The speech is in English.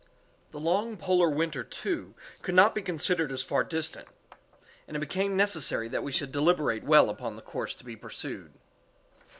The long polar winter, too, could not be considered as far distant, and it became necessary that we should deliberate well upon the course to be pursued.